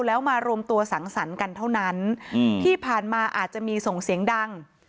แล้วมารวมตัวสังสรรค์กันเท่านั้นที่ผ่านมาอาจจะมีส่งเสียงดัง